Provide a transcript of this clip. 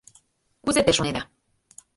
Кузе те шонеда?